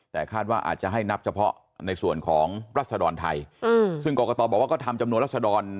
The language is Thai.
แต่คาดว่าอาจจะให้นับเฉพาะในส่วนของรัศดรไทยซึ่งกรกตบอกว่าก็ทำจำนวนรัศดร